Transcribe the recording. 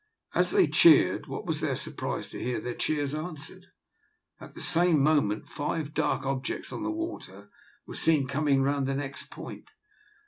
As they cheered, what was their surprise to hear their cheers answered, and at the same moment five dark objects on the water were seen coming round the next point.